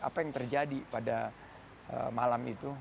apa yang terjadi pada malam itu